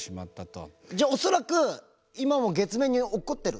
じゃあ恐らく今も月面に落っこってる？